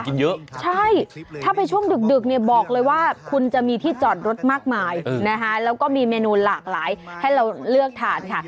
ใช่ถ้าไปช่วงดึกเนี่ยบอกเลยว่าคุณจะมีที่จอดรถมากมายนะคะแล้วก็มีเมนูหลากหลายให้เราเลือกทานค่ะ